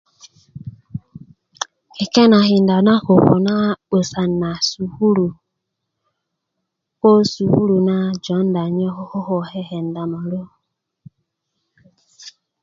kekenakinda na koko na 'busan na sukulu ko sukulu na jonda nyo ko kekenda molu